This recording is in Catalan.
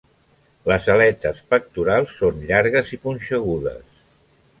Les aletes pectorals són llargues i punxegudes.